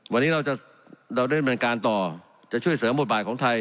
วันนี้เราเดินบรรณการต่อจะช่วยเสริมบทบาทของไทย